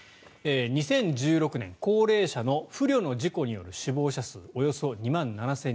２０１６年、高齢者の不慮の事故による死亡者数およそ２万７０００人。